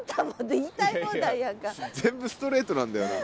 全部ストレートなんだよな。